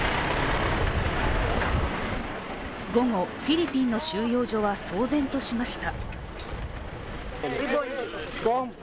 午後フィリピンの収容所は騒然としました。